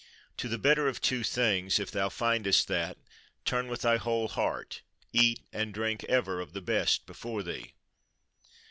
"To the better of two things, if thou findest that, turn with thy whole heart: eat and drink ever of the best before thee."